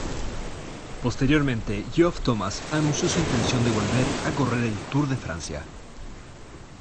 Posteriormente, Geoff Thomas anunció su intención de volver a correr el Tour de Francia.